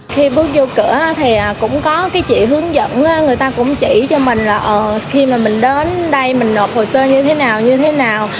khi bước vô cửa thì cũng có cái chị hướng dẫn người ta cũng chỉ cho mình là khi mà mình đến đây mình nộp hồ sơ như thế nào như thế nào